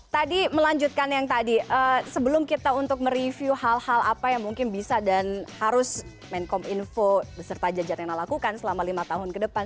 tadi melanjutkan yang tadi sebelum kita untuk mereview hal hal apa yang mungkin bisa dan harus menkom info beserta jajaran yang lakukan selama lima tahun ke depan